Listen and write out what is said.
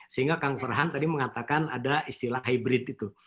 sehingga kang farhan tadi mengatakan ada istilah hybrid itu